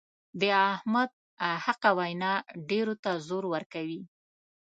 د احمد حقه وینا ډېرو ته زور ورکوي.